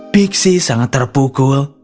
pixie sangat terpukul